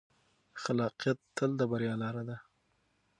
خلاقیت تل د بریا لاره ده.